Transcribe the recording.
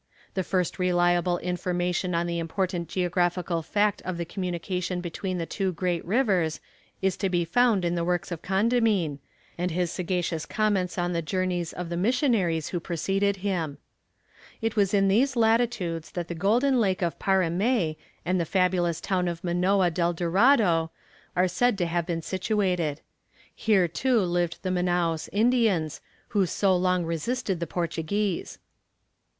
The first reliable information on the important geographical fact of the communication between the two great rivers, is to be found in the works of Condamine, and his sagacious comments on the journeys of the missionaries who preceded him. It was in these latitudes that the golden lake of Parimé and the fabulous town of Manoa del Dorado are said to have been situated. Here, too, lived the Manaos Indians, who so long resisted the Portuguese.